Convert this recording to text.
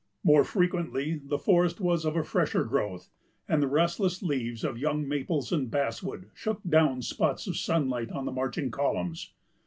More frequently, the forest was of a fresher growth; and the restless leaves of young maples and basswood shook down spots of sunlight on the marching columns.